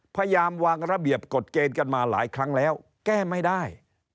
พยายามวางระเบียบกฎเกณฑ์กันมาหลายครั้งแล้วแก้ไม่ได้